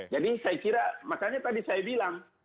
jadi saya kira makanya tadi saya bilang